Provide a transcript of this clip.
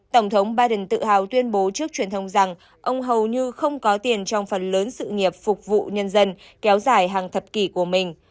tổng thống biden tự hào tuyên bố trước truyền thông rằng ông hầu như không có tiền trong phần lớn sự nghiệp phục vụ nhân dân kéo dài hàng thập kỷ của mình